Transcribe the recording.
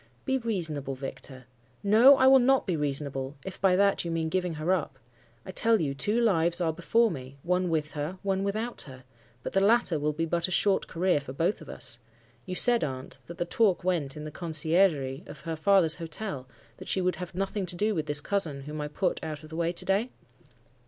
"'Be reasonable, Victor.' "'No, I will not be reasonable, if by that you mean giving her up. I tell you two lives are before me; one with her, one without her. But the latter will be but a short career for both of us. You said, aunt, that the talk went in the conciergerie of her father's hotel, that she would have nothing to do with this cousin whom I put out of the way to day?